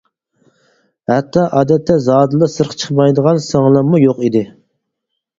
ھەتتا ئادەتتە زادىلا سىرتقا چىقمايدىغان سىڭلىممۇ يوق ئىدى.